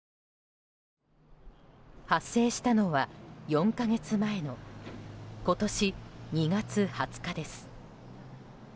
発生したのは４か月前の今年２月２０日です。